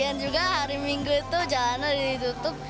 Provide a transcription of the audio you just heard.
dan juga hari minggu itu jalannya ditutup